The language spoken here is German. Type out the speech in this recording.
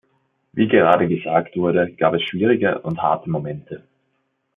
Wie gerade gesagt wurde, gab es schwierige und harte Momente.